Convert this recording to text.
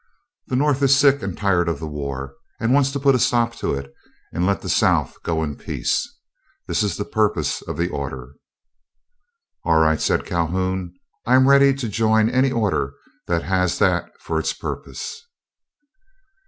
The North is sick and tired of the war, and wants to put a stop to it and let the South go in peace. This is the purpose of the order." "All right," said Calhoun; "I am ready to join any order that has that for its purpose."